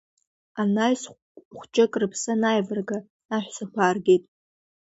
Анаҩс хәҷык рыԥсы анааивырга, аҳәсақәа ааргеит.